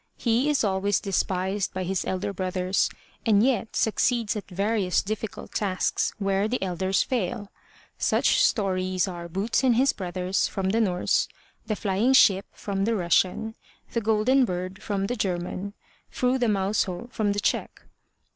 He is always despised by his elder brothers, and yet succeeds at various difficult tasks where the elders fail. Such stories are Boots and His Brothers, 179 MY BOOK HOUSE from the Norse, The Flying Ship, from the Russian, The Golden Bird, from the German, Through the Mouse Hole, from the Czech.